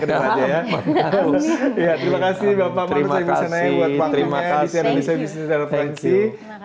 terima kasih bapak marus pundi senai buat panggungnya di cnnb